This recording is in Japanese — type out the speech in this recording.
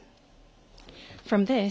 そうです。